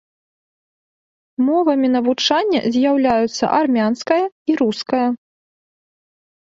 Мовамі навучання з'яўляюцца армянская і руская.